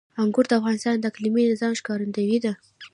انګور د افغانستان د اقلیمي نظام ښکارندوی ده.